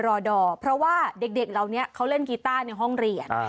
ทำโทษนักเรียนรอดอเพราะว่าเด็กเหล่านี้เขาเล่นกีต้าในห้องเรียน